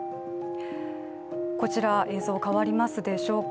こちら、映像変わりますでしょうか。